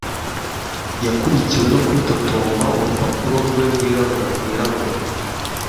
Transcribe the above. yakurikiwe no kwitotomba. urupapuro rwe rwirabura rwirabura